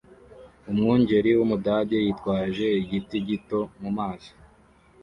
Umwungeri w’umudage yitwaje igiti gito mumazi